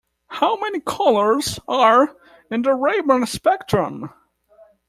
How many colours are in the rainbow spectrum?